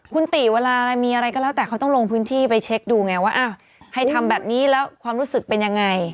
คุณติเวลามีอะไรก็แล้วแต่เขาต้องลงพื้นที่ไปเช็คดูไงว่าให้ทำแบบนี้แล้วความรู้สึกเป็นยังไง